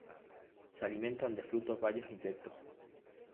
Se alimentan de frutos, bayas e insectos.